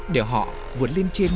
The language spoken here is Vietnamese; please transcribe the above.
để họ vượt lên trên